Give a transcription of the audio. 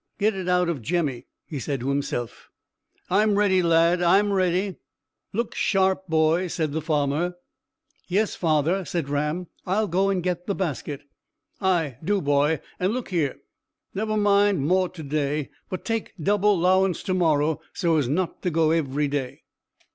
"Get it out of Jemmy," he said to himself. "I'm ready, lad; I'm ready." "Look sharp, boy," said the farmer. "Yes, father," said Ram. "I'll go and get the basket." "Ay, do, boy. And look here never mind more to day; but take double 'lowance to morrow, so as not to go every day."